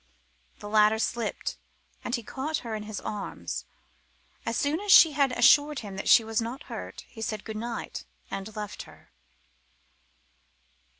The ladder slipped, and he caught her in his arms. As soon as she had assured him that she was not hurt, he said good night and left her.